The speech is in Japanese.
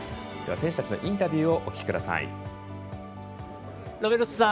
選手たちのインタビューお聞きください。